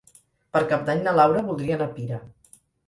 Per Cap d'Any na Laura voldria anar a Pira.